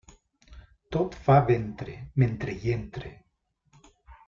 Tot fa ventre, mentre hi entre.